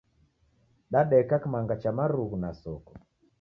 Dadeka kimanga cha marughu na soko.